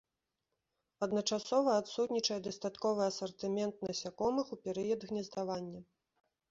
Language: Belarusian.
Адначасова адсутнічае дастатковы асартымент насякомых у перыяд гнездавання.